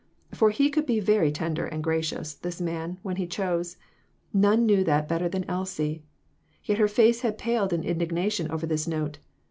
For he could be very tender and gracious, this man, when he chose ; none knew this better than Elsie. Yet her face had paled in indignation over his note.